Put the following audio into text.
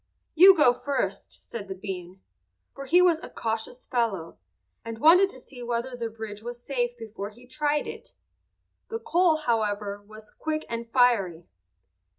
"You go first," said the bean, for he was a cautious fellow, and wanted to see whether the bridge was safe before he tried it. The coal, however, was quick and fiery.